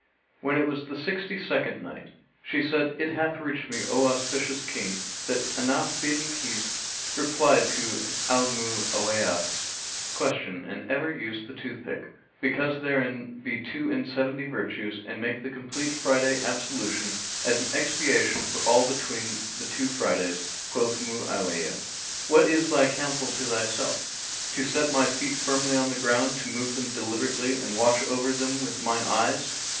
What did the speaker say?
When it was the Sixty second Night, She said, It hath reached me, O auspicious King, that Ahnaf bin Kays replied to Al Mu'awiyah's[FN#269] question, 'And ever use the toothstick, because therein be two end seventy virtues and make the complete Friday ablution as an expiation for all between the two Fridays.' Quoth Mu'awiyah, 'What is thy counsel to thyself?' 'To set my feet firmly on the ground, to move them deliberately and watch over them with mine eyes!'